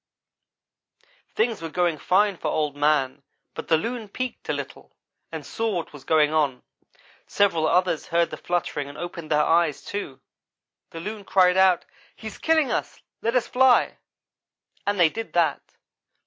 things were going fine for Old man, but the loon peeked a little, and saw what was going on; several others heard the fluttering and opened their eyes, too. The loon cried out, 'He's killing us let us fly,' and they did that.